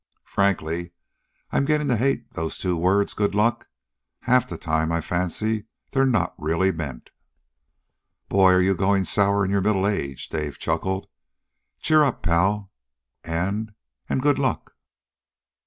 Frankly, I'm getting to hate those two words, good luck. Half the time I fancy they're not really meant." "Boy, are you going sour in your middle age!" Dave chuckled. "Cheer up, pal, and and _Good luck!